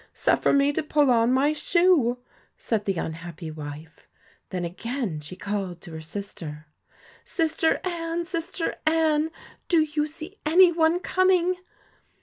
Suffer me to pull on my shoe,' said the unhappy wife. Then again she called to her sister: 'Sister Anne! sister Anne! do you see any one coming